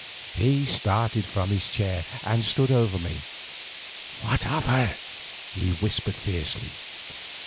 He started from his chair and stood over me. "What of her?" he whispered fiercely.